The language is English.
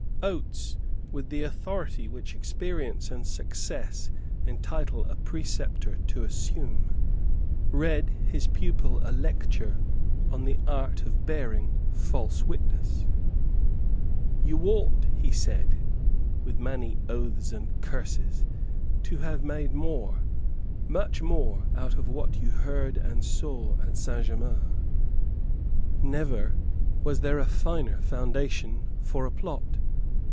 Oates, with the authority which experience and success entitle a preceptor to assume, read his pupil a lecture on the art of bearing false witness. "You ought," he said, with many oaths and curses, "to have made more, much more, out of what you heard and saw at Saint Germains. Never was there a finer foundation for a plot.